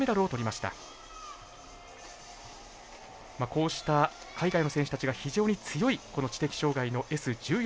まあこうした海外の選手たちが非常に強いこの知的障がいのＳ１４のクラス。